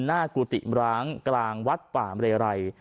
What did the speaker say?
หน้ากูติร้างกลางวัดป่าเมื่อไร